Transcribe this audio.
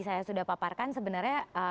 saya sudah paparkan sebenarnya